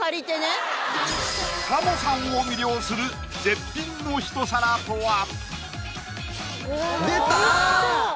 タモさんを魅了する絶品のひと皿とは⁉